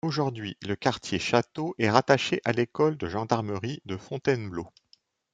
Aujourd’hui le quartier Chateau est rattaché à l’École de gendarmerie de Fontainebleau.